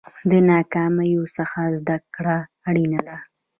د ناکامیو څخه زده کړه اړینه ده.